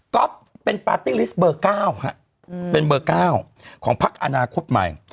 เป็นปาร์ตี้ลิสต์เบอร์๙เป็นเบอร์๙ของพักอนาคตใหม่